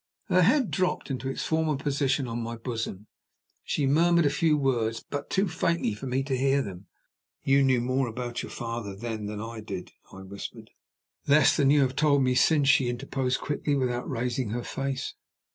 Her head dropped into its former position on my bosom, and she murmured a few words, but too faintly for me to hear them. "You knew more about your father, then, than I did?" I whispered. "Less than you have told me since," she interposed quickly, without raising her face.